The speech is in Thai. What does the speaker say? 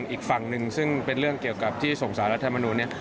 อีกฝั่งหนึ่งซึ่งเป็นเรื่องเกี่ยวกับที่ส่งสารรัฐมนุนเนี่ย